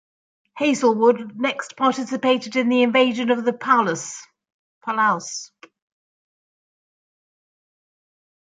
"Hazelwood" next participated in the invasion of the Palaus.